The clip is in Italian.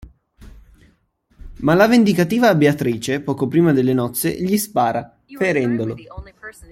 Ma la vendicativa Beatrice, poco prima delle nozze, gli spara, ferendolo.